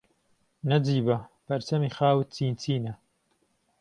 نهجیبه، پهرچهمی خاوت چینچینه